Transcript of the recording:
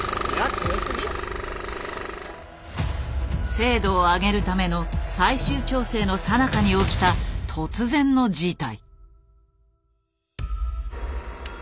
精度を上げるための最終調整のさなかに起きた突然の事態。